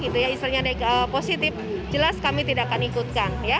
istilahnya positif jelas kami tidak akan ikutkan